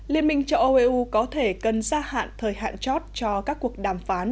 liên minh cho eu có thể cần gia hạn thời hạn chót cho các cuộc đàm phán